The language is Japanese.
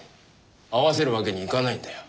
会わせるわけにいかないんだよ。